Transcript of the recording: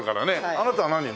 あなたは何に？